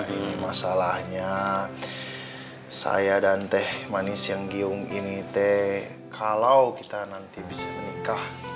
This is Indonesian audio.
ini masalahnya saya dan teh manis yang giung ini teh kalau kita nanti bisa menikah